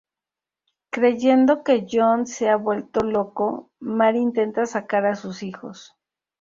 Creyendo que John se ha vuelto loco, Mary intenta sacar a sus hijos.